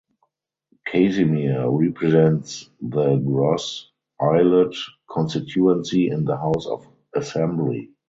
Casimir represents the Gros Islet constituency in the House of Assembly.